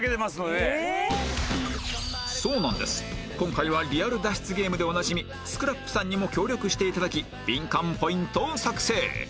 今回はリアル脱出ゲームでおなじみ ＳＣＲＡＰ さんにも協力して頂きビンカンポイントを作成